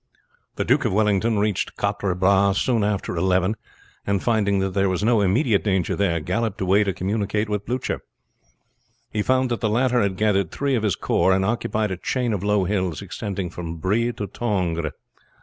The Duke of Wellington reached Quatre Bras soon after eleven, and finding that there was no immediate danger there, galloped away to communicate with Blucher. He found that the latter had gathered three of his corps, and occupied a chain of low hills extending from Bry to Tongres.